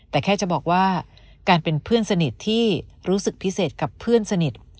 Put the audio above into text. แต่แค่จะบอกว่าการเป็นเพื่อนสนิทที่รู้สึกพิเศษกับเพื่อนสนิท